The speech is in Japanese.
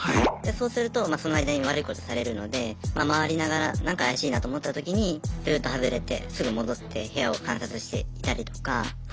そうするとその間に悪いことされるので回りながらなんか怪しいなと思ったときにルート外れてすぐ戻って部屋を観察していたりとか。